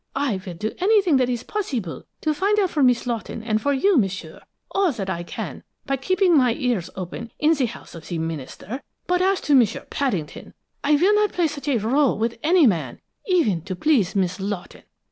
I will do anything that is possible to find out for Miss Lawton and for you, m'sieu, all that I can by keeping my ears open in the house of the minister, but as to M'sieu Paddington I will not play such a rôle with any man, even to please Miss Lawton."